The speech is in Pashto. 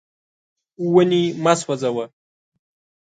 ونې مه سوځوه.